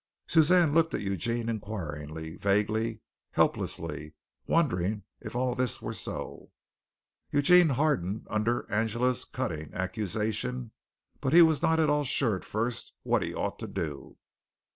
Suzanne looked at Eugene inquiringly, vaguely, helplessly, wondering if all this were so. Eugene hardened under Angela's cutting accusation, but he was not at all sure at first what he ought to do.